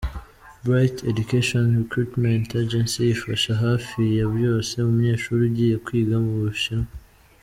Bright Education Recruitment Agency ifasha hafi ya byose umunyeshuri ugiye kwiga mu Bushinwa.